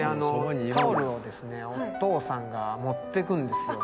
タオルをですねお父さんが持っていくんですよ。